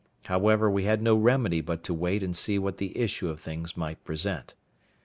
However we had no remedy but to wait and see what the issue of things might present.